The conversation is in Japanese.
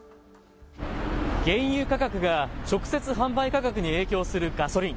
原油価格が直接、販売価格に影響するガソリン。